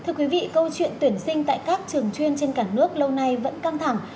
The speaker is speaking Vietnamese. thưa quý vị câu chuyện tuyển sinh tại các trường chuyên trên cả nước lâu nay vẫn căng thẳng